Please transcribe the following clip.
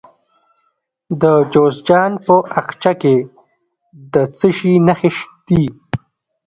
د جوزجان په اقچه کې د څه شي نښې دي؟